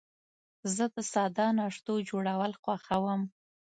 زه د ساده ناشتو جوړول خوښوم.